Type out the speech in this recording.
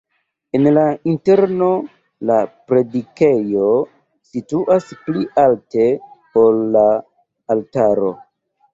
En la interno la predikejo situas pli alte, ol la altaro.